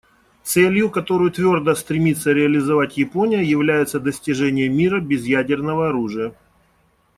Целью, которую твердо стремится реализовать Япония, является достижение мира без ядерного оружия.